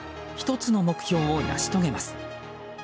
１つの目標を成し遂げます。